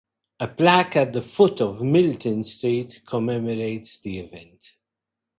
A plaque at the foot of Milton Street commemorates the event.